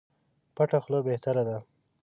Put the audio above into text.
پټه خوله بهتره ده.